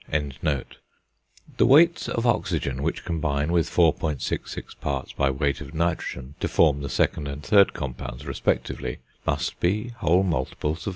The weights of oxygen which combine with 4.66 parts by weight of nitrogen to form the second and third compounds, respectively, must be whole multiples of 2.